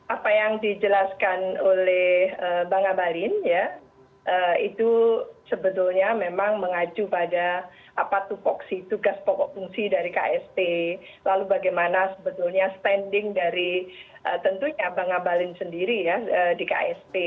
apa yang dijelaskan oleh bang abalin ya itu sebetulnya memang mengacu pada tugas pokok fungsi dari ksp lalu bagaimana sebetulnya standing dari tentunya bang abalin sendiri ya di ksp